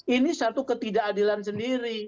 ini satu ketidakadilan sendiri